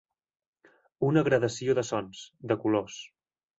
Una gradació de sons, de colors.